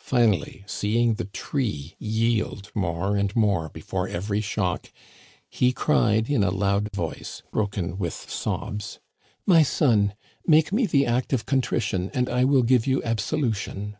Finally, seeing the tree yield more and more be fore every shock, he cried in a loud voice, broken with sobs: " My son, make me the 'Act of Contrition ' and I will give you absolution."